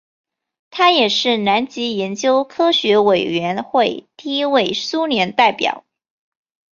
他也是南极研究科学委员会第一位苏联代表。